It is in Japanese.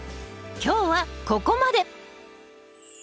今日はここまで！